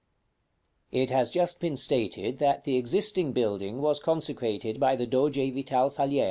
§ VII. It has just been stated that the existing building was consecrated by the Doge Vital Falier.